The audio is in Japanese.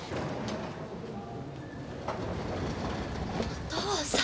お父さん。